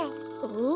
ん？